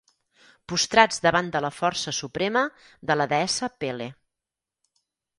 Prostrats davant de la força suprema de la deessa Pele.